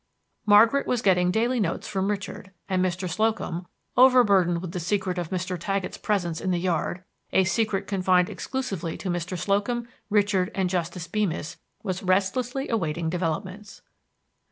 Margaret was getting daily notes from Richard, and Mr. Slocum, overburdened with the secret of Mr. Taggett's presence in the yard, a secret confined exclusively to Mr. Slocum, Richard, and Justice Beemis, was restlessly awaiting developments.